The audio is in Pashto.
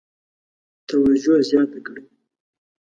توجه زیاته کړي.